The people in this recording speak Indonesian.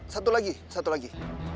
satu lagi satu lagi